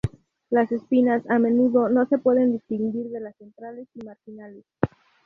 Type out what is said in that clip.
Las espinas a menudo no se pueden distinguir de las centrales y marginales.